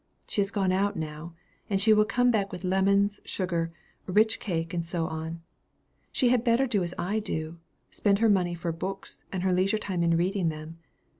She has gone out now; and she will come back with lemons, sugar, rich cake, and so on. She had better do as I do spend her money for books, and her leisure time in reading them.